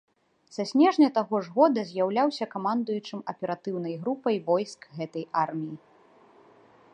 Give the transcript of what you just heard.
Са снежня таго ж года з'яўляўся камандуючым аператыўнай групай войск гэтай арміі.